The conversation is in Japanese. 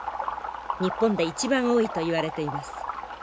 日本で一番多いといわれています。